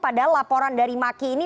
padahal laporan dari maki ini